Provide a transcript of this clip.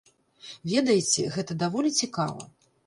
Ведаеце, гэта даволі цікава.